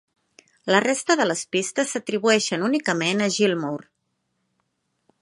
La resta de les pistes s'atribueixen únicament a Gilmour.